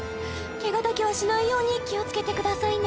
ケガだけはしないように気をつけてくださいね